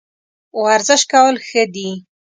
ورزش کول ښه دي